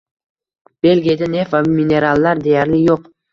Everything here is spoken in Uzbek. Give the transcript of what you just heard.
Belgiyada neft va minerallar deyarli yo'q